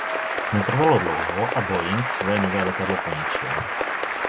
Netrvalo dlouho a Boeing své nové letadlo poničil.